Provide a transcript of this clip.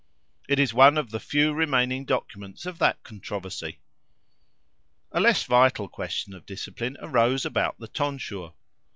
It is one of the few remaining documents of that controversy. A less vital question of discipline arose about the tonsure.